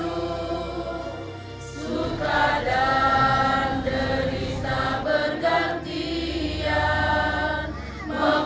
ucapkan kata perpisahan